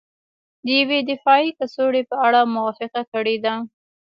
د یوې دفاعي کڅوړې په اړه موافقه کړې ده